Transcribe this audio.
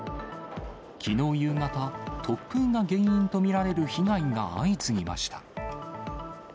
きのう夕方、突風が原因と見られる被害が相次ぎました。